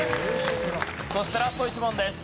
そしてラスト１問です。